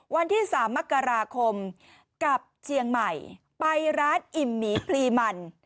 วันที่๓มกราคมกับเชียงใหม่ไปร้านอิ่มหมีพลีมัน